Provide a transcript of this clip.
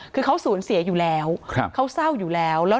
คือเขาสูญเสียอยู่แล้วเขาเศร้าอยู่แล้ว